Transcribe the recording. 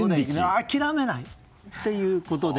諦めないってことで。